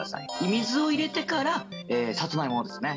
水を入れてから、さつまいもですね。